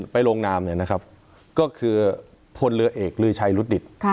ลงนามเนี่ยนะครับก็คือพลเรือเอกลือชัยรุฑดิต